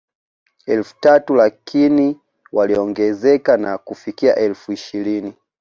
Elfu tatu lakini walioongezeka na kufikia elfu ishirini